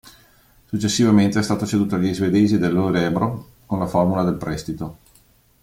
Successivamente, è stato ceduto agli svedesi dell'Örebro con la formula del prestito.